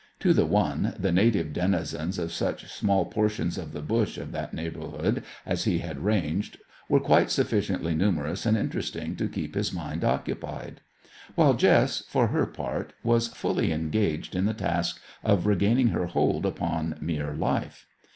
To the one the native denizens of such small portions of the bush of that neighbourhood as he had ranged were quite sufficiently numerous and interesting to keep his mind occupied; while Jess, for her part, was fully engaged in the task of regaining her hold upon mere life.